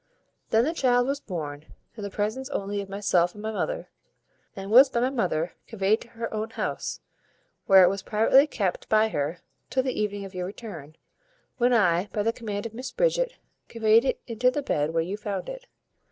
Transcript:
Then the child was born, in the presence only of myself and my mother, and was by my mother conveyed to her own house, where it was privately kept by her till the evening of your return, when I, by the command of Miss Bridget, conveyed it into the bed where you found it.